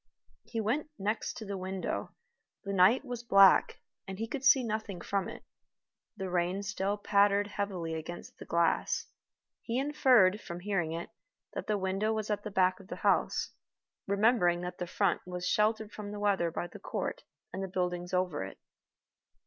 He went next to the window. The night was black, and he could see nothing from it. The rain still pattered heavily against the glass. He inferred, from hearing it, that the window was at the back of the house, remembering that the front was sheltered from the weather by the court and the buildings over it.